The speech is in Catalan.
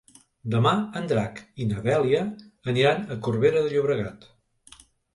Demà en Drac i na Dèlia aniran a Corbera de Llobregat.